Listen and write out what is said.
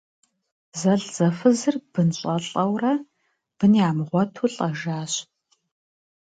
Зэлӏзэфызыр бынщӏэлӏэурэ, бын ямыгъуэту лӏэжащ.